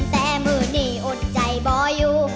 แต่มือนี้อดใจบ่อยู่